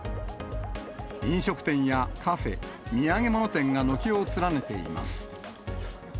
飲食店やカフェ、土産物店が軒を連ねています。